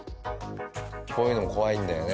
こういうのも怖いんだよね。